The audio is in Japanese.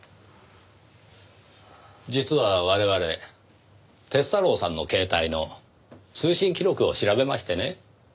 実は我々鐵太郎さんの携帯の通信記録を調べましてね。